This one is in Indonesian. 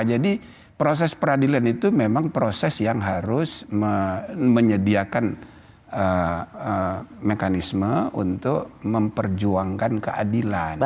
jadi proses peradilan itu memang proses yang harus menyediakan mekanisme untuk memperjuangkan keadilan